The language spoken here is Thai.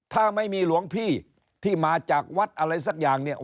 ถ้าไม่มีหลวงพี่ที่มาจากวัดอะไรสักอย่างเนี่ย